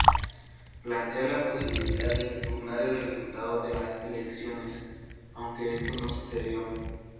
Plantea la posibilidad de impugnar el resultado de las elecciones, aunque esto no sucedió.